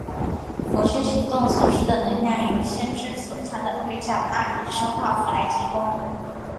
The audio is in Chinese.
某些行动所需的能量由先知所穿的盔甲纳米生化服来提供。